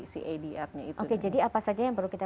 cadr nya itu oke jadi apa saja yang perlu kita